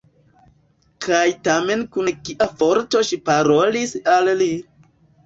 Kaj tamen kun kia forto ŝi parolis al li!